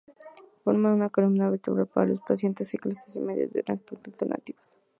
Forma una columna vertebral para los paseantes, ciclistas y medios de transporte alternativos.